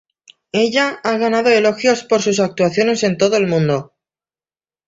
Ella ha ganado elogios por sus actuaciones en todo el mundo.